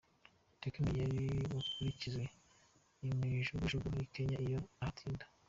Tekno yari bukurikizwe imijugujugu muri Kenya iyo ahatinda.